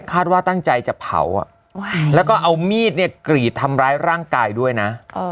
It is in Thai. คาดว่าตั้งใจจะเผาแล้วก็เอามีดเนี่ยกรีดทำร้ายร่างกายด้วยนะ